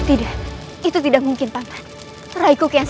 ia telah mengobrak api kampung ini